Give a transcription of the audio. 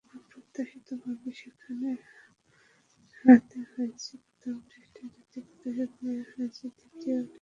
অপ্রত্যাশিতভাবে সেখানে হারতে হয়েছে প্রথম টেস্টে, যদিও প্রতিশোধ নেওয়া গেছে দ্বিতীয় টেস্টেই।